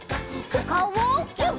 おかおをギュッ！